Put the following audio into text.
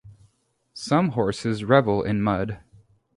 Some horses revel in mud.